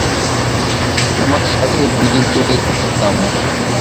তোমার সাথে বীজগণিত পড়তাম।